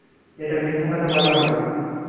এটা মিথ্যা কথা বলা হবে।